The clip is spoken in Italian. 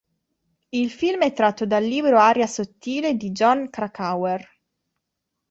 Il film è tratto dal libro "Aria sottile" di Jon Krakauer.